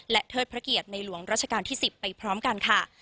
เทิดพระเกียรติในหลวงราชการที่๑๐ไปพร้อมกันค่ะ